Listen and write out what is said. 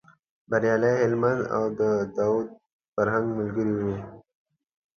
بریالی هلمند او داود فرهنګ ملګري و.